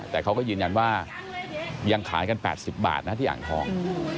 แต่เขาก็ยืนยันว่ายังขายกัน๘๐บาทนะที่อ่างทอง